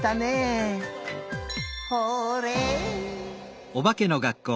ホーレイ！